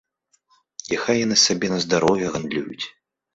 І хай яны сабе на здароўе гандлююць.